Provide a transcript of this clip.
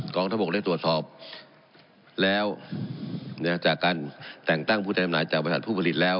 กองทบกได้ตรวจสอบแล้วจากการแต่งตั้งผู้แทนจำหน่ายจากบริษัทผู้ผลิตแล้ว